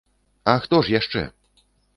А хто ж яшчэ?